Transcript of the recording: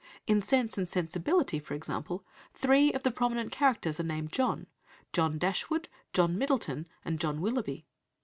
In Sense and Sensibility, for example, three of the prominent characters are named John John Dashwood, John Middleton, and John Willoughby.